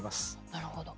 なるほど。